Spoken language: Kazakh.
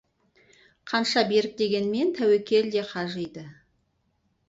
Қанша берік дегенмен, «тәуекел» де қажиды.